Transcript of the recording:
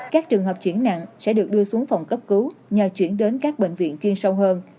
các trường hợp chuyển nặng sẽ được đưa xuống phòng cấp cứu nhờ chuyển đến các bệnh viện chuyên sâu hơn